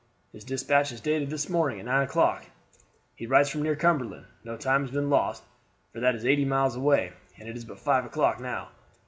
His despatch is dated this morning at nine o'clock. He writes from near Cumberland. No time has been lost, for that is eighty miles away, and it is but five o'clock now.